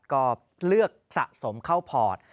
ก็เลือกสะสมเข้าพอร์ต